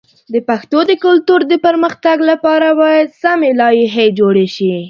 د پښتو د کلتور د پرمختګ لپاره باید سمی لایحې جوړ شي.